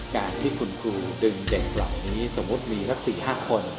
การที่คุณครูดึงเด็กเหล่านี้สมมุติมีสัก๔๕คน